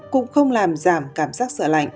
cũng không làm giảm cảm giác sợ lạnh